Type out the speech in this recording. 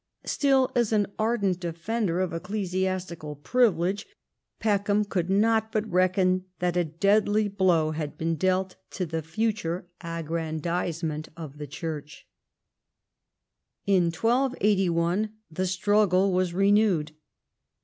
Still, as an ardent defender of ecclesiastical privilege, Peckham could not but reckon that a deadly blow had been dealt to the future aggrandisement of the Church. In 1281 the struggle was renewed.